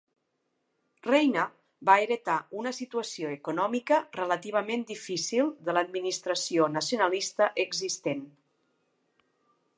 Reina va heretar una situació econòmica relativament difícil de l'administració nacionalista existent.